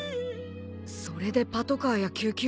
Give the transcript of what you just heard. それでパトカーや救急車が。